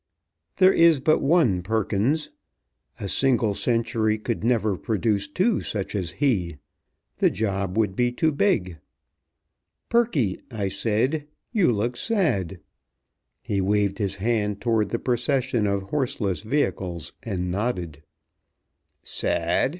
There is but one Perkins. A single century could never produce two such as he. The job would be too big. "Perky," I said, "you look sad." He waved his hand toward the procession of horseless vehicles, and nodded. "Sad!"